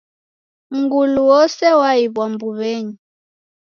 Mngulu wose waiw'a mbuw'enyi